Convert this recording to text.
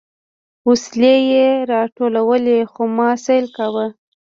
وسلې يې راټولولې خو ما سيل کاوه.